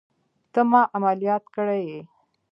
ته ما عمليات کړى يې.